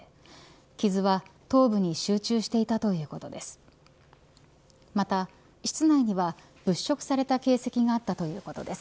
傷は頭部に集中していたということです。